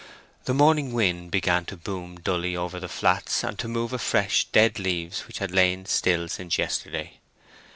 The morning wind began to boom dully over the flats, and to move afresh dead leaves which had lain still since yesterday.